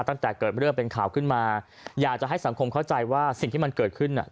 ตั้งแต่เกิดเรื่องเป็นข่าวขึ้นมาอยากจะให้สังคมเข้าใจว่าสิ่งที่มันเกิดขึ้นอ่ะ